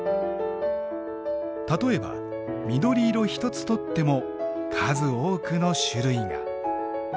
例えば緑色一つとっても数多くの種類が。